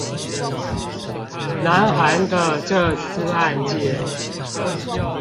南韓的這次案件